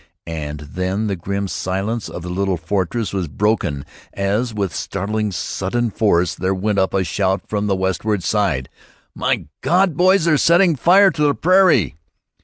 And then the grim silence of the little fortress was broken, as, with startling, sudden force there went up a shout from the westward side: "My God, boys, they're setting fire to the prairie!"